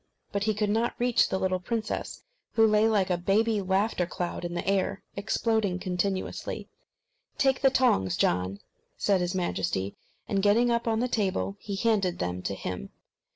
But, he could not reach the little princess, who lay like a baby laughter cloud in the air, exploding continuously. "Take the tongs, John," said his Majesty; and getting up on the table, he handed them to him.